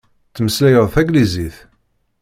Ttmeslayeɣ taglizit.